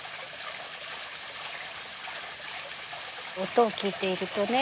音を聞いているとね